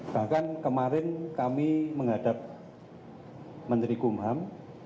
bahkan kemarin kami menghadap menteri kumham